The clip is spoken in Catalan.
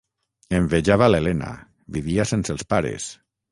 Envejava l'Elena; vivia sense els pares.